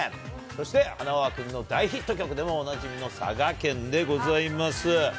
そしてはなわ君の大ヒット曲でもおなじみの佐賀県でございます。